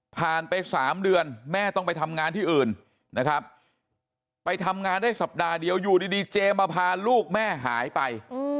ผ่านไป๓เดือนแม่ต้องไปทำงานที่อื่นนะครับไปทำงานได้สัปดาห์เดียวอยู่ดีเจมาพาลูกแม่หายไป